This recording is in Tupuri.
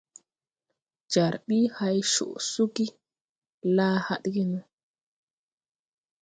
Jar ɓuy hay coʼ suugi la hadge no.